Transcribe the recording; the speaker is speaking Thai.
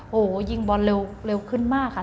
โอ้โหยิงบอลเร็วขึ้นมากค่ะ